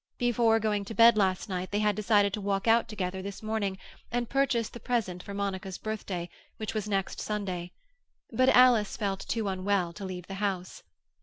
Before going to bed last night they had decided to walk out together this morning and purchase the present for Monica's birthday, which was next Sunday. But Alice felt too unwell to leave the house.